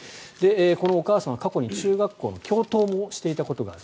このお母さんは過去に中学校の教頭もしていたことがある。